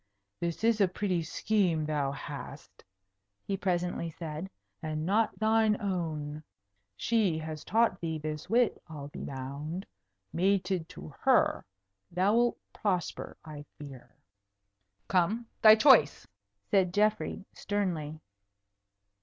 "This is a pretty scheme thou hast," he presently said. "And not thine own. She has taught thee this wit, I'll be bound. Mated to her, thou'lt prosper, I fear." "Come, thy choice," said Geoffrey, sternly.